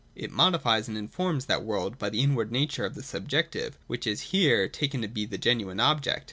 It modifies and informs that world by the inward nature of the subjective, which is here taken to be the genuine objective.